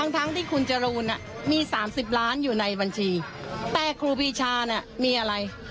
ทั้งที่คุณจรูนมี๓๐ล้านอยู่ในบัญชีแต่ครูปีชาน่ะมีอะไร